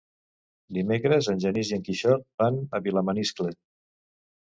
Dimecres en Genís i en Quixot van a Vilamaniscle.